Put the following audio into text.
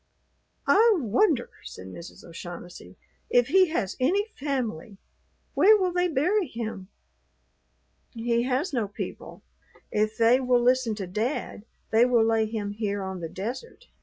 "I wonder," said Mrs. O'Shaughnessy, "if he has any family. Where will they bury him?" "He has no people. If they will listen to Dad, they will lay him here on the desert.